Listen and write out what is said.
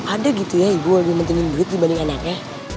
ada gitu ya ibu lebih pentingin duit dibanding anaknya